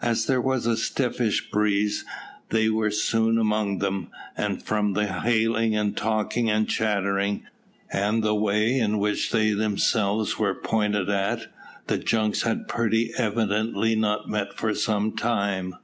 As there was a stiffish breeze, they were soon among them, and from the hailing, and talking, and chattering, and the way in which they themselves were pointed at, the junks had pretty evidently not met for some time.